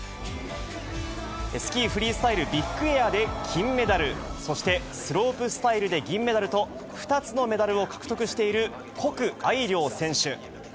スキーフリースタイルビッグエアで金メダル、そしてスロープスタイルで銀メダルと、２つのメダルを獲得している谷愛凌選手。